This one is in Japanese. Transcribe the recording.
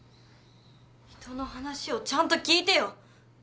人の話をちゃんと聞いてよ！